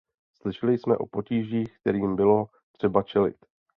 Slyšeli jsme o potížích, kterým bylo třeba čelit.